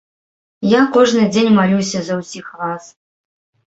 Я кожны дзень малюся за ўсіх вас.